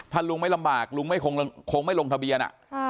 ถ้าลุงไม่ลำบากลุงคงไม่ลงทะเบียน